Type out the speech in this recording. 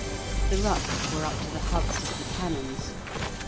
The ruts were up to the hubs of the cannons.